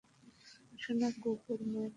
সোনা কুকুর, ময়না কুকুর।